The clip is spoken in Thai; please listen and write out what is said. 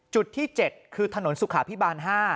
จุดที่๗คือถนนสุขาพิบาล๕